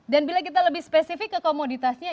dan bila kita lebih spesifik ke komoditasnya